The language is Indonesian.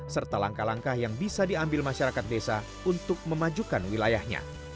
serta langkah langkah yang bisa diambil masyarakat desa untuk memajukan wilayahnya